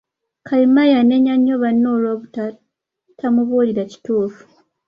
Kayima yanenya nnyo banne olw'obutamubuulira kituufu.